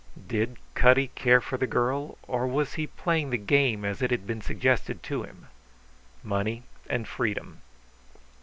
Did Cutty care for the girl, or was he playing the game as it had been suggested to him? Money and freedom.